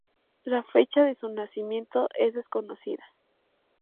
La fecha de su nacimiento es desconocida.